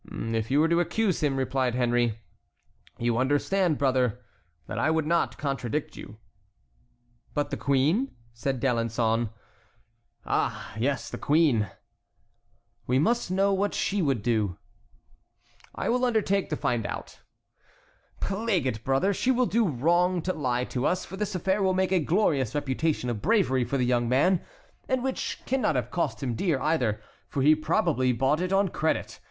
"If you were to accuse him," replied Henry, "you understand, brother, that I would not contradict you." "But the queen?" said D'Alençon. "Ah, yes, the queen." "We must know what she would do." "I will undertake to find out." "Plague it, brother! she will do wrong to lie to us, for this affair will make a glorious reputation of bravery for the young man, and which, cannot have cost him dear either, for he probably bought it on credit.